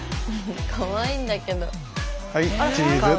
かわいいんだけど。